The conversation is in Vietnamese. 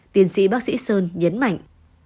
tiến sĩ bác sĩ sơn nhấn mạnh